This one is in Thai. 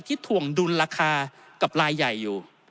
ถวงดุลราคากับลายใหญ่อยู่